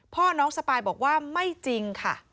พ่อน้องสปายบอกว่าไม่จริงค่ะ